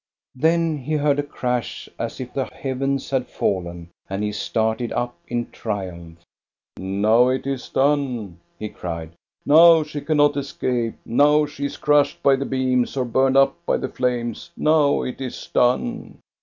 Then he heard a crash, as if the heavens had fallen, and he started up in triumph. " Now it is done!" he cried. "Now she cannot escape; now she is crushed by the beams or burned up by the flames. Now it is done."